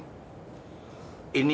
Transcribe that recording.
ngapain kalian di sini